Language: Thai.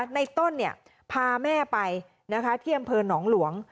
ในต้นพาแม่ไปที่อำเภอหนองหลวง